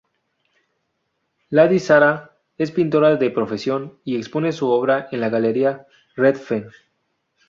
Lady Sarah es pintora de profesión, y expone su obra en la Galería Redfern.